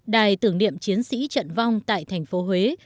đài tưởng niệm chiến sĩ trận vong tại thành phố huế